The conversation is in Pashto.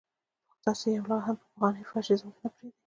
خو تاسو يې يو لغت هم په پخواني فاشيزم کې نه پرېږدئ.